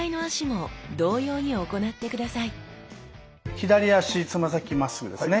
左足つま先まっすぐですね。